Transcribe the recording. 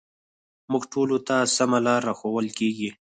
موږ ټولو ته سمه لاره راښوول کېږي